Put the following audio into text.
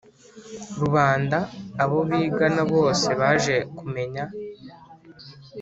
rubanda, abo bigana bose, baje kumenya